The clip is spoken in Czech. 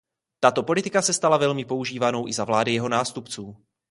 Tato politika se stala velmi používanou i za vlády jeho nástupců.